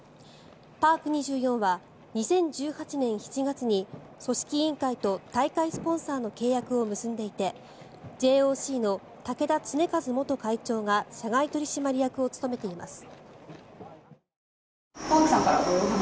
パーク２４は２０１８年７月に組織委員会と大会スポンサーの契約を結んでいてＪＯＣの竹田恒和元会長が社外取締役を務めています。